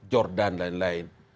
jordan dan lain lain